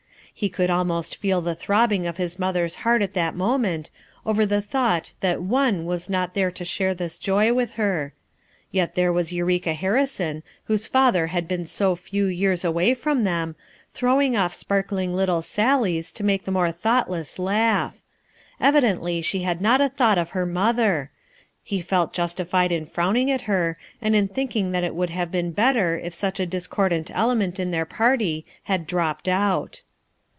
He could almost feel the throbbing of his mother's heart at that moment, over the thought FOUR MOTHERS AT CHAUTAUQUA 59 that one was not there to share this joy with her; yet there was Eureka Harrison whose father had been so few years away from them, throwing off sparkling little sallies to make the more thoughtless laugh ! evidently she had not a thought of her mother; he felt justified in frowning at her, and in thinking that it would have been better if such a discordant clement in their party had dropped out.